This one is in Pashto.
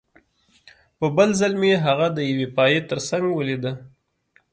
په بل ځل مې هغه د یوې پایې ترڅنګ ولیده